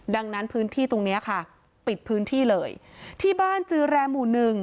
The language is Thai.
ดังนั้นพื้นที่ตรงเนี้ยค่ะปิดพื้นที่เลยที่บ้านจือแรมหมู่หนึ่ง